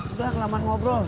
udah kelamaan ngobrol